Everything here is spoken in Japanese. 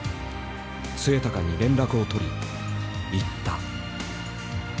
末高に連絡を取り言った。